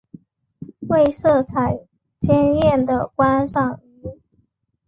为色彩鲜艳的观赏鱼。